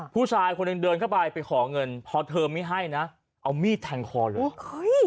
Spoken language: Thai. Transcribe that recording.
ผู้ชายคนหนึ่งเดินเข้าไปไปขอเงินพอเธอไม่ให้นะเอามีดแทงคอเลย